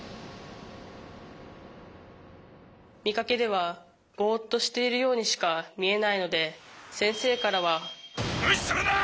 見かけではボッとしているようにしか見えないので先生からは無視するな！